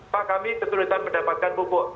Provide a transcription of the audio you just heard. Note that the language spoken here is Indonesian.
pak kami ketulisan pendapatkan pupuk